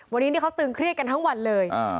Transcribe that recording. วันนี้เขาตึงเครียดกันทั้งวันเลย